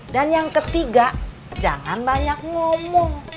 dan yang ketiga jangan banyak ngomong